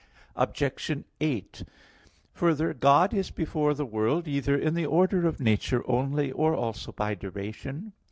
Obj. 8: Further, God is before the world either in the order of nature only, or also by duration.